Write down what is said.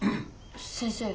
先生。